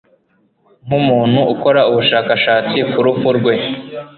Nkumuntu ukora ubushakashatsi ku rupfu rwe